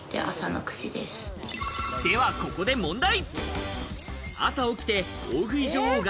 ではここで問題。